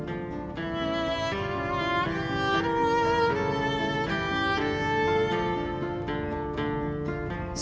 masih mau berusaha gitu ya